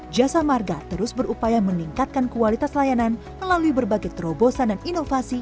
jasa marga terus berupaya meningkatkan kualitas layanan melalui berbagai terobosan dan inovasi